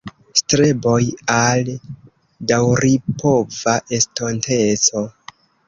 Streboj al daŭripova estonteco"".